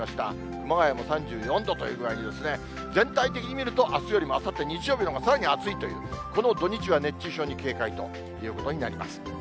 熊谷も３４度という具合に、全体的に見るとあすよりもあさって日曜日のほうがさらに暑いという、この土日は熱中症に警戒ということになります。